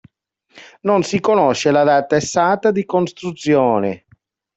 Non si conosce la data esatta di costruzione.